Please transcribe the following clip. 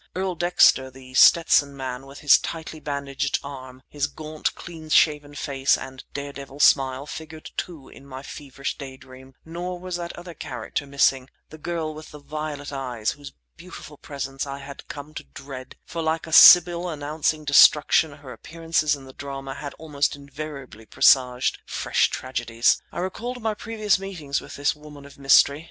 Earl Dexter, The Stetson Man, with his tightly bandaged arm, his gaunt, clean shaven face and daredevil smile, figured, too, in my feverish daydream; nor was that other character missing, the girl with the violet eyes whose beautiful presence I had come to dread; for like a sybil announcing destruction her appearances in the drama had almost invariably presaged fresh tragedies. I recalled my previous meetings with this woman of mystery.